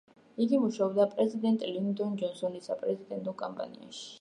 იგი მუშაობდა პრეზიდენტ ლინდონ ჯონსონის საპრეზიდენტო კამპანიაში.